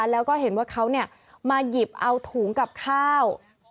แล้วก็เห็นว่าเขามาหยิบเอาถุงกับข้าว